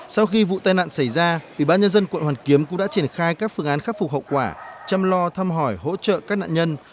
sau khi vụ tai nạn xảy ra ủy ban nhân dân quận hoàn kiếm cũng đã triển khai các phương án khắc phục hậu quả chăm lo thăm hỏi hỗ trợ các nạn nhân